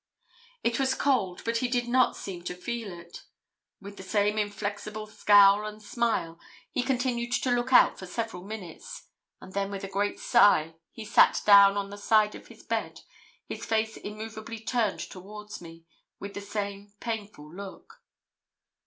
It was cold, but he did not seem to feel it. With the same inflexible scowl and smile, he continued to look out for several minutes, and then with a great sigh, he sat down on the side of his bed, his face immovably turned towards me, with the same painful look.